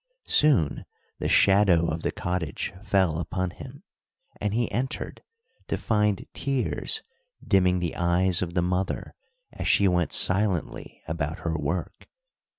Soon the shadow of the cottage fell upon him, and he entered to find tears dimming the eyes of the mother as she went silently about her work.